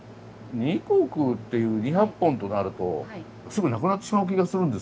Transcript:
２石って２００本となるとすぐなくなってしまう気がするんですけども。